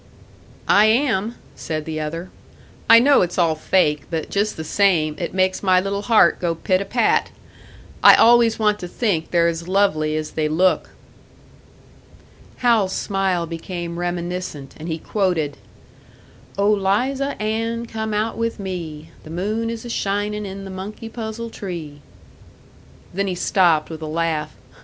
"I am," said the other. "I know it's all fake, but just the same, it makes my little heart go pit a pat. I always want to think they're as lovely as they look." Hal's smile became reminiscent, and he quoted: "Oh Liza Ann, come out with me, The moon is a shinin' in the monkey puzzle tree!" Then he stopped, with a laugh.